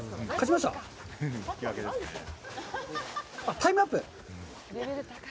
タイムアップ？